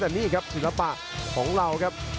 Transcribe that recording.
แต่นี่ครับศิลปะของเราครับ